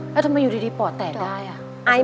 แล้วทำไมอยู่ดีปอดแตกได้อ่ะ